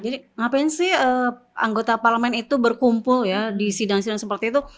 jadi ngapain sih anggota parlamen itu berkumpul ya di sidang sidang seperti itu